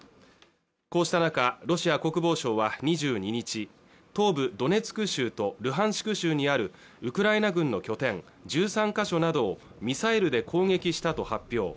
こうした中ロシア国防省は２２日東部ドネツク州とルハンシク州にあるウクライナ軍の拠点１３ヶ所などをミサイルで攻撃したと発表